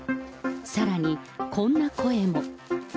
さらに、こんな声も。